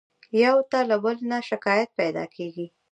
يو ته له بل نه شکايت پيدا کېږي.